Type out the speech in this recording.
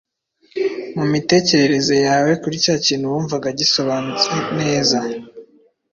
mu mitekerereze yawe kuri cya kintu wumvaga gisobanutse neza